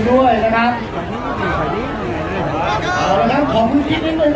ขอบคุณมากนะคะแล้วก็แถวนี้ยังมีชาติของ